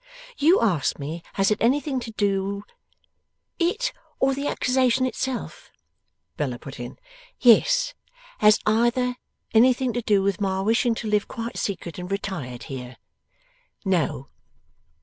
You asked me has it anything to do ' 'It or the accusation itself,' Bella put in. 'Yes. Has either anything to do with my wishing to live quite secret and retired here? No.